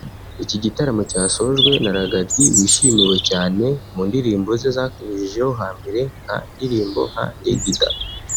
Iki gitaramo cyasojwe na Ragga Dee wishimiwe cyane mu ndirimbo ze zakanyujijeho hambere nka ndirimbo nka Ndigida